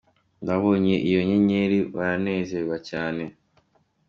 Babonye iyo nyenyeri baranezerwa cyane